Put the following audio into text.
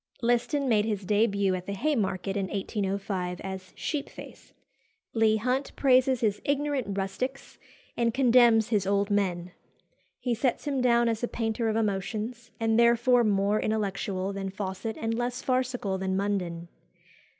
Liston made his début at the Haymarket in 1805 as Sheepface. Leigh Hunt praises his ignorant rustics, and condemns his old men. He sets him down as a painter of emotions, and therefore more intellectual than Fawcett and less farcical than Munden.